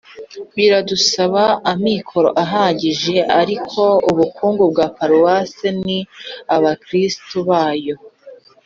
biradusaba amikoro ahagije ariko ubukungu bwa paruwasi ni abakirisitu bayo